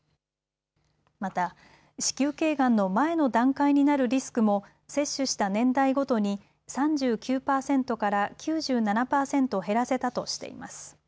また、子宮けいがんの前の段階になるリスクも接種した年代ごとに３９％から９７％減らせたとしています。